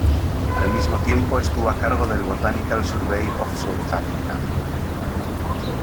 Al mismo tiempo estuvo a cargo del "Botanical Survey of South Africa.